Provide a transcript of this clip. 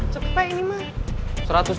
cepet pak ini mah